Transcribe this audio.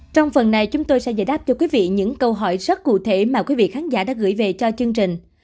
trong phần này chúng tôi sẽ giải đáp cho quý vị những câu hỏi rất cụ thể mà quý vị khán giả đã gửi về cho chương trình